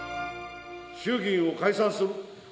衆議院を解散する。